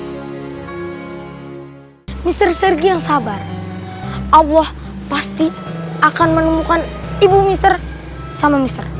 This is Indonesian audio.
hai mister sergi yang sabar allah pasti akan menemukan ibu mister sama mister